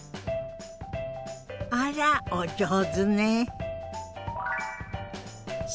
あらお上手ね。